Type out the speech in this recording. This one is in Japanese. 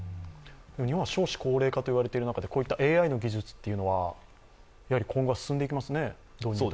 日本は少子高齢化と言われている中で、こういったＡＩの技術は今後は進んでいきますね。